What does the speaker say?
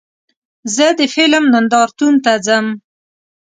زه د فلم نندارتون ته ځم.